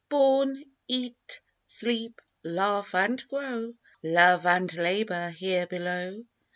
Born, eat, sleep, laugh and grow Love and labor here below.